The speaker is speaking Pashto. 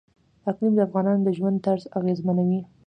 اقلیم د افغانانو د ژوند طرز اغېزمنوي.